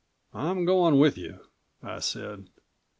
"I'm going with you," I said.